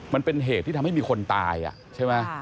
มันเป็นเหตุที่ทำให้มีคนตายใช่ไหม